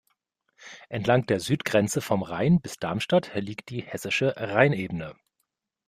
Entlang der Südgrenze vom Rhein bis Darmstadt liegt die Hessische Rheinebene.